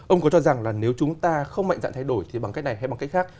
ông có cho rằng là nếu chúng ta không mạnh dạng thay đổi thì bằng cách này hay bằng cách khác